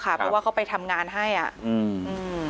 เพราะว่าเขาไปทำงานให้อ่ะอืมอืม